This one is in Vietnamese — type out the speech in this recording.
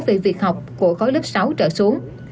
về việc học của khối lớp sáu trở xuống